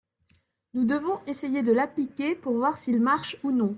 Nous devons essayer de l’appliquer, pour voir s’il marche ou non.